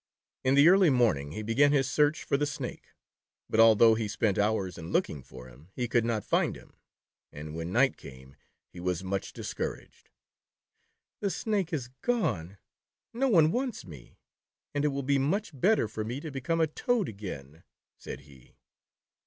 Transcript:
In the early morning, he began his search for the Snake, but, although he spent hours in looking for him, he could not find him, and when night came he was much discouraged. *' The Snake is gone, no one wants me, and it will be much better for me to become a Toad again," said he.